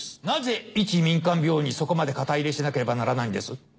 なぜ一民間病院にそこまで肩入れしなければならないんです？